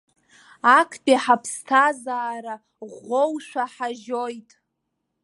Актәи ҳаԥсҭазаара ӷәӷәоушәа ҳажьоит.